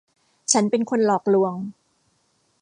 ฉันเป็นคนหลอกลวง